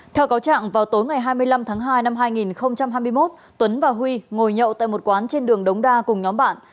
theo cáo trạng vào tối ngày hai mươi năm tháng hai năm hai nghìn hai mươi một tuấn và huy ngồi nhậu tại một quán trên đường đống đa cùng nhóm bạn